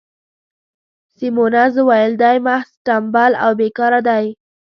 سیمونز وویل: دی محض ټمبل او بې کاره دی.